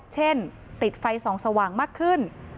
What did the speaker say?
เช่นติดไฟส่องสว่างมากขึ้น